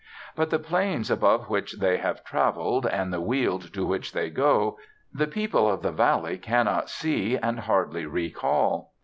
But the plains above which they have traveled and the Weald to which they go, the people of the valley cannot see and hardly recall.